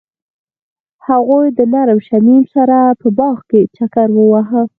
هغوی د نرم شمیم سره په باغ کې چکر وواهه.